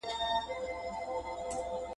پلار په دوی او دوی په پلار هوسېدلې !.